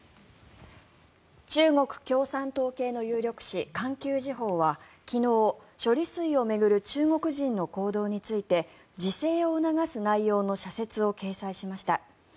中国共産党系の有力紙環球時報は昨日、処理水を巡る中国人の行動について自制を促す内容の社説を掲載しました。